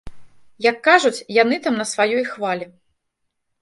Як кажуць яны там на сваёй хвалі.